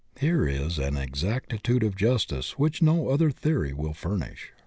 Here is an exactitude of justice which no other theory will furnish.